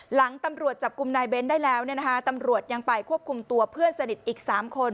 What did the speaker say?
หลังตำรวจจับกลุ่มนายเบ้นได้แล้วตำรวจยังไปควบคุมตัวเพื่อนสนิทอีก๓คน